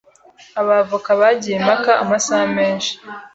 Abavoka bagiye impaka amasaha menshi.